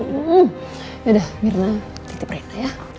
yaudah mirna titip rena ya